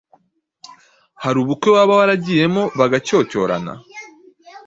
Hari ubukwe waba waragiyemo bagacyocyorana?